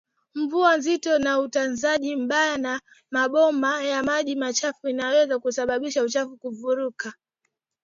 Mvua nzito na utunzaji mbaya wa mabomba ya maji machafu inaweza kusababisha uchafu kufurika